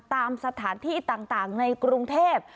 ตามสถานที่ต่างในกรุงเทพ